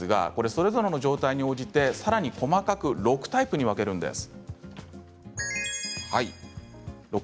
それぞれの状態に応じてさらに細かく６タイプに分けるんです。